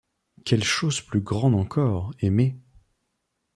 Quelle chose plus grande encore, aimer !